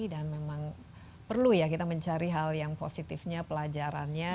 dan memang perlu ya kita mencari hal yang positifnya pelajarannya